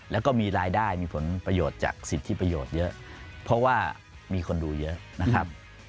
แล้วก็มีรายได้มีผลประโยชน์จากสิทธิประโยชน์เยอะเพราะว่ามีคนดูเยอะนะครับ